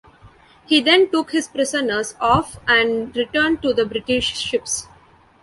He then took his prisoners off and returned to the British ships.